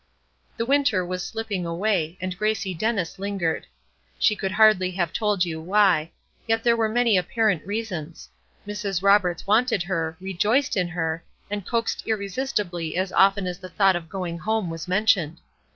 The winter was slipping away and Gracie Dennis lingered. She could hardly have told you why, yet there were many apparent reasons. Mrs. Roberts wanted her, rejoiced in her, and coaxed irresistibly as often as the thought of going home was mentioned.